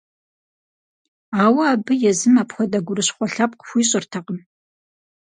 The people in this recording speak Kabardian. Ауэ абы езым апхуэдэ гурыщхъуэ лъэпкъ хуищӏыртэкъым.